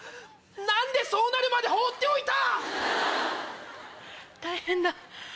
何でそうなるまで放っておいた⁉大変だ。